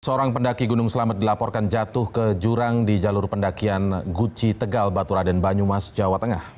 seorang pendaki gunung selamat dilaporkan jatuh ke jurang di jalur pendakian guci tegal baturaden banyumas jawa tengah